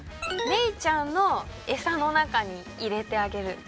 メイちゃんのエサの中に入れてあげる。